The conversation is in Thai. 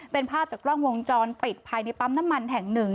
เป็นภาพจากกล้องวงจรปิดภายในปั๊มน้ำมันแห่งหนึ่ง